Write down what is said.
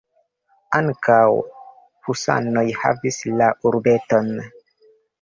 Ankaŭ husanoj havis la urbeton.